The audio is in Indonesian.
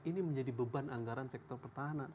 ini menjadi beban anggaran sektor pertahanan